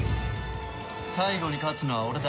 最後に勝つのは俺だ。